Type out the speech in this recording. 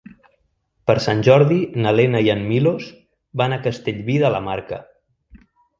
Per Sant Jordi na Lena i en Milos van a Castellví de la Marca.